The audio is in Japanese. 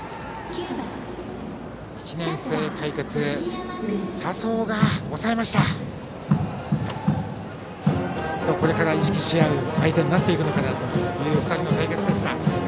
きっとこれから意識し合う相手になっていくのかなという２人の対決でした。